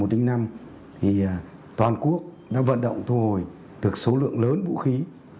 đến toàn quốc đã vận động thu hồi được số lượng lớn vũ khí